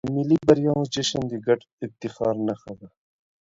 د ملي بریاوو جشن د ګډ افتخار نښه ده.